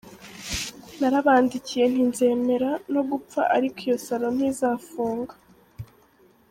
Narabandikiye nti nzemera no gupfa ariko iyo salon ntizafunga.